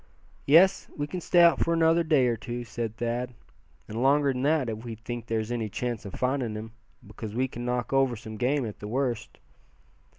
"Yes, we can stay out for another day or two," said Thad, "and longer than that, if we think there's any chance of finding him; because we could knock over some game at the worst."